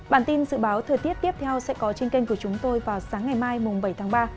bản tin dự báo thời tiết tiếp theo sẽ có trên kênh của chúng tôi vào sáng ngày mai bảy tháng ba